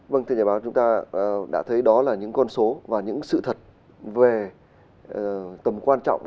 vâng thưa nhà báo chúng ta đã thấy đó là những con số và những sự thật về tầm quan trọng